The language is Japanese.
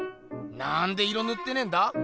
なんで色ぬってねえんだ。